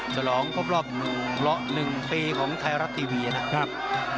สลองครบรอบเหล้าหนึ่งปีของไทยรัฐทีวีนะครับ